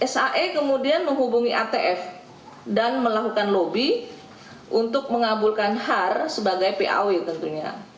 sae kemudian menghubungi atf dan melakukan lobby untuk mengabulkan har sebagai paw tentunya